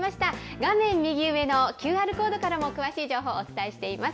画面右上のＱＲコードからも詳しい情報、お伝えしています。